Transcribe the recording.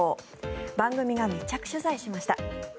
番組が密着取材しました。